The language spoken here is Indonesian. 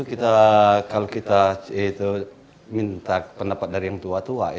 nah pada saat itu kalau kita minta pendapat dari yang tua tua